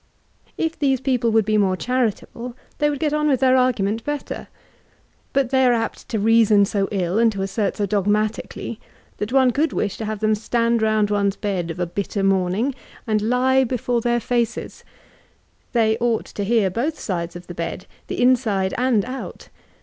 If these people would be move diaritable, they would get on with their argument better. But they are apt to reason so ill, and to assert so dog matically, that one could wish to have them stand round one's bed of a bitter morning, and lie before their &ces. They oi^ht to hear both sides of the bed, the Inside and out.